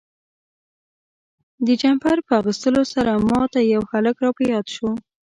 د جمپر په اغوستلو سره ما ته یو هلک را په یاد شو.